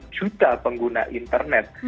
juta pengguna internet